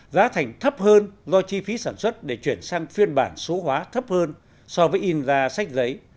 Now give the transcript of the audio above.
giá thành thấp hơn do chi phí sản xuất để chuyển sang phiên bản số hóa thấp hơn so với in ra sách giấy